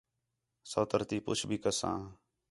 سوتر تی پُچھ بھی کساں